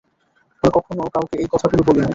আমি কখনো কাউকে এই কথাগুলো বলিনি।